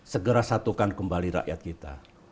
segera satukan kembali rakyat kita